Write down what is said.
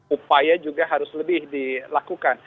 upaya juga harus lebih dilakukan